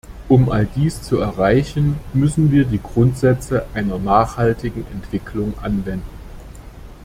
Um all dies zu erreichen, müssen wir die Grundsätze einer nachhaltigen Entwicklung anwenden.